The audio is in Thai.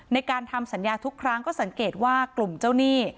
ในการทำสัญญาทุกครั้งก็สังเกตว่ากลุ่มเจ้าหนี้